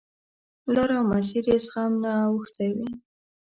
لار او مسیر یې زخم نه اوښتی وي.